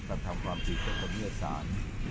ของคนเที่ยวศาสน์